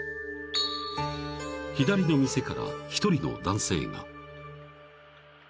［左の店から１人の男性が］